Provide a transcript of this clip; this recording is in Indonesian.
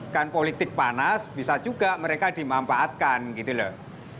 kan politik panas bisa juga mereka dimanfaatkan gitu loh